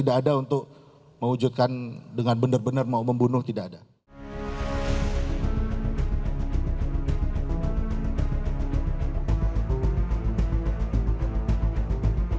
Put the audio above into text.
dirt seribu tujuh ratus lima belas berangkat